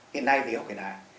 hiện nay về y học cổ truyền việt nam